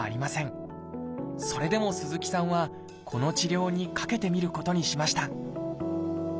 それでも鈴木さんはこの治療にかけてみることにしました。